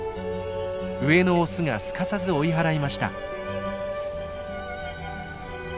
上のオスがすかさず追い払いました。